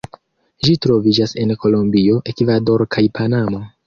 Ĝi troviĝas en Kolombio, Ekvadoro kaj Panamo.